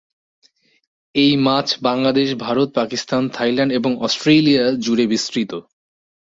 এই মাছ বাংলাদেশ, ভারত, পাকিস্তান, থাইল্যান্ড এবং অস্ট্রেলিয়া জুড়ে বিস্তৃত।